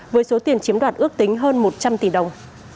với số tiền chiếm đoạt ước tính hơn một trăm linh tỷ đồng